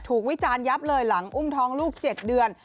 วิจารณ์ยับเลยหลังอุ้มท้องลูก๗เดือน